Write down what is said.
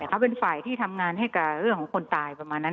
เขาเป็นฝ่ายที่ทำงานให้กับเรื่องของคนตายประมาณนั้น